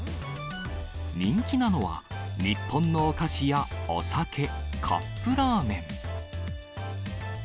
人気なのは、日本のお菓子やお酒、カップラーメン。